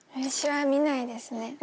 私は見ないですね。